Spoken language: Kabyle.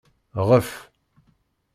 Ɣef.